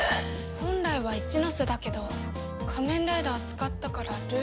本来は一ノ瀬だけど仮面ライダー使ったからルール違反。